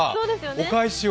お返しを。